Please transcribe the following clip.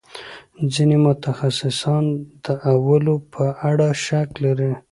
ځینې متخصصان د اولو په اړه شک لري.